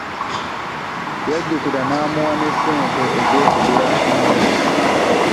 Yajjukira n'amuwa ne ssente ez'okugula emmere.